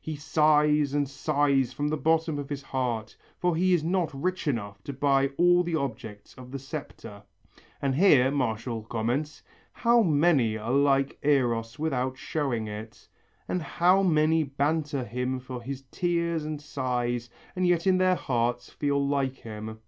He sighs and sighs from the bottom of his heart, for he is not rich enough to buy all the objects of the septa." And here Martial comments, "How many are like Eros without showing it, and how many banter him for his tears and sighs and yet in their hearts feel like him!"